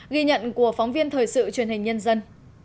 bóng viên thời sự truyền hình nhân dân